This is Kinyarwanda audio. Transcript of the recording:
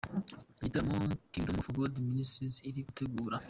Igitaramo Kingdom of God Ministries iri gutegura.